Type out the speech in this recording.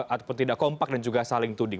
ataupun tidak kompak dan juga saling tuding